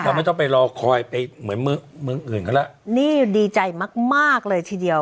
เราไม่ต้องไปรอคอยไปเหมือนเมืองอื่นก็ละนี่ดีใจมากเลยทีเดียว